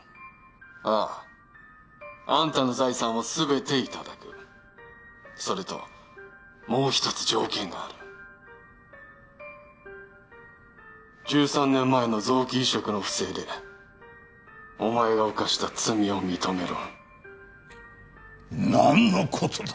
あああんたの財産をすべていただくそれともう一つ条件がある１３年前の臓器移植の不正でお前が犯した罪を認めろ何のことだ！？